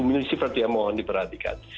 sepuluh milisievert ya mohon diperhatikan